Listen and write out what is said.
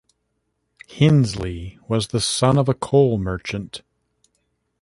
Hinsley was the son of a coal merchant.